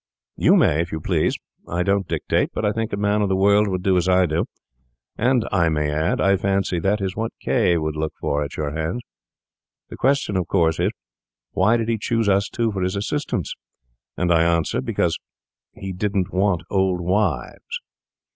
You may, if you please. I don't dictate, but I think a man of the world would do as I do; and I may add, I fancy that is what K— would look for at our hands. The question is, Why did he choose us two for his assistants? And I answer, because he didn't want old wives.